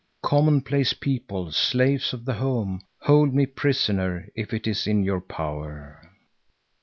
Commonplace people, slaves of the home, hold me prisoner if it is in your power!